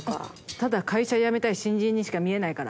ただ会社辞めたい新人にしか見えないから。